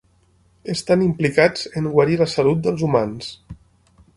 Estan implicats en guarir la salut dels humans.